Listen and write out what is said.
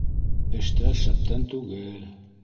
- Эштәр шәптән түгел.